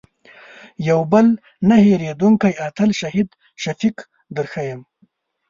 یو بل نه هېرېدونکی اتل شهید شفیق در ښیم.